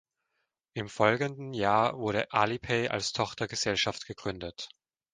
Im folgenden Jahr wurde Alipay als Tochtergesellschaft gegründet.